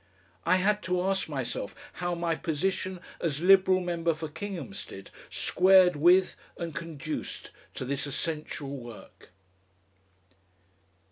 I had to ask myself how my position as Liberal member for Kinghamstead squared with and conduced to this essential work.